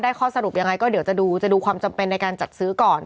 ข้อสรุปยังไงก็เดี๋ยวจะดูจะดูความจำเป็นในการจัดซื้อก่อน